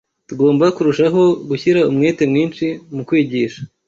Tugomba kurushaho gushyira umwete mwinshi mu kwigisha